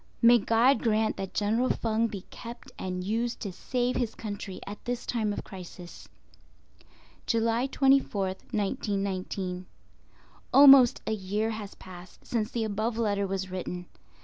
May God grant that General Feng be kept and used to save his country at this time of crisis. July 24th, 1919.—Almost a year has passed since the above letter was written.